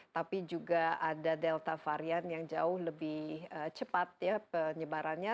tapi juga ada delta varian yang jauh lebih cepat ya penyebarannya